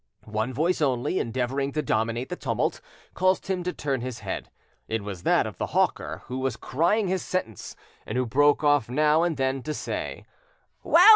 One voice only, endeavouring to dominate the tumult, caused him to turn his head: it was that of the hawker who was crying his sentence, and who broke off now and then to say— "Well!